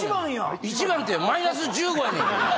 １番ってマイナス１５やねんけどな。